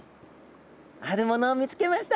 あるものを見つけました。